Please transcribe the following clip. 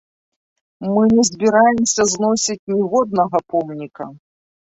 Мы не збіраемся зносіць ніводнага помніка.